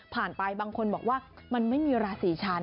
ไปบางคนบอกว่ามันไม่มีราศีฉัน